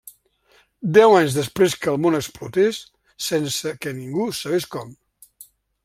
Deu anys després que el món explotés, sense que ningú sabés com.